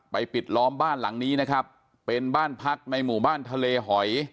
ปิดล้อมบ้านหลังนี้นะครับเป็นบ้านพักในหมู่บ้านทะเลหอย